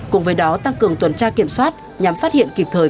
cùng với đó tăng cường tuần tra kiểm soát nhằm phát hiện kịp thời